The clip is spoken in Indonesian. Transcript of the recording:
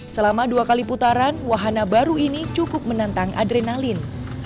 selama dua kali putaran wahana baru ini cukup menantang adrenalin